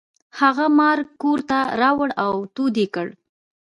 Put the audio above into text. هغه مار کور ته راوړ او تود یې کړ.